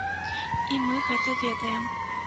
І мы гэта ведаем.